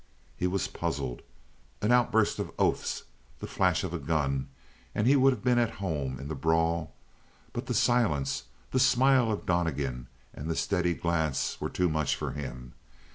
He was puzzled. An outburst of oaths, the flash of a gun, and he would have been at home in the brawl, but the silence, the smile of Donnegan and the steady glance were too much for him.